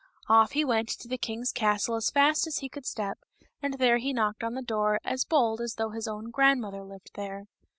Off he went to the king's castle as fast as he could step, and there he knocked on the door, as bold as though his own grandmother lived there.